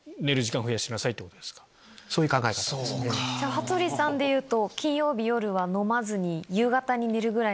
羽鳥さんでいうと。